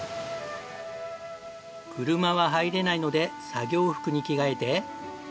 車は入れないので作業服に着替えて。